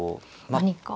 何か。